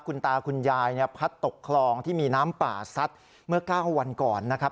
คุณตาคุณยายเนี่ยพัดตกคลองที่มีน้ำป่าซัดเมื่อ๙วันก่อนนะครับ